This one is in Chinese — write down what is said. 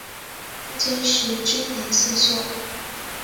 父亲是织田信秀。